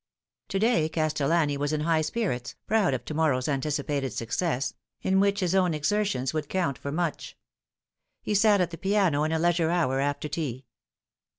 To day Castellani was in high spirits, proud of to morrow's anticipated success, in which his own exertions would count for much. He sat at the piano in a leisure hour after tea.